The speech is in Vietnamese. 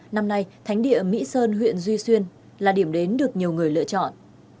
năm nay thánh địa mỹ sơn huyện duy xuyên là điểm đến được nhiều người lựa chọn